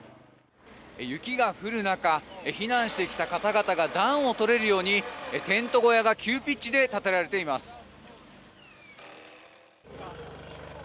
雪が降る中避難してきた方々が暖をとれるようにテント小屋が急ピッチで建てられています。